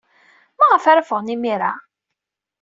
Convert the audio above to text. Maɣef ara ffɣen imir-a?